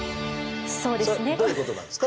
そうですね。どういうことなんですか？